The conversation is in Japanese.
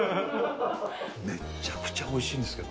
めっちゃくちゃおいしいんですけど。